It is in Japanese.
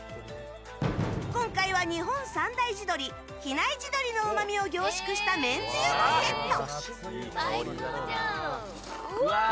今回は日本三大地鶏比内地鶏のうまみを凝縮しためんつゆもセット。